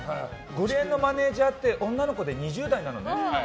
ゴリエのマネジャーって女の子で２０代なのね。